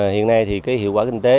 hiện nay thì cái hiệu quả kinh tế